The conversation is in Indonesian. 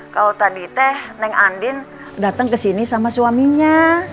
kalau tadi teh neng andin datang ke sini sama suaminya